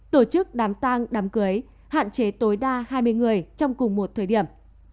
tổ chức đám tang đám cưới hạn chế tối đa hai mươi người trong cùng một thời điểm